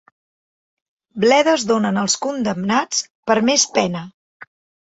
Bledes donen als condemnats per més pena.